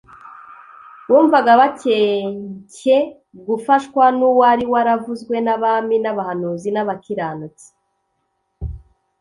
Bumvaga bakencye gufashwa n'uwari waravuzwe n'abami n'abahanuzi n'abakiranutsi.